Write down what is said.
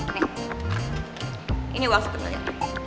nih ini uang sepenuhnya